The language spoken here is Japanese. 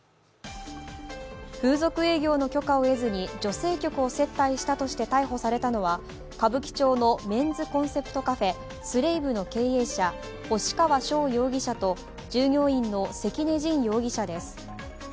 風俗営業の許可を得ずに女性客を接待したとして逮捕されたのは歌舞伎町のメンズコンセプトカフェＳｌａｖｅの経営者、押川翔容疑者と、従業員の関根心容疑者です。